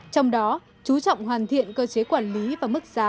trong đó chú trọng hoàn thiện cơ chế quản lý và mức giá